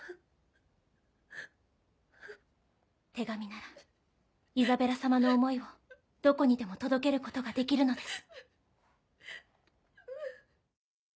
手紙ならイザベラ様の思いをどこにでも届けることができるのです。